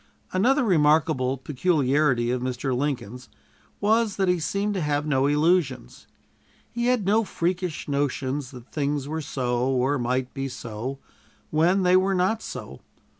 Another remarkable peculiarity of Mr. Lincoln's was that he seemed to have no illusions. He had no freakish notions that things were so, or might be so, when they were not so.